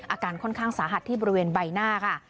อาการค่อนข้างสาหัสที่บริเวณใบหน้าค่ะ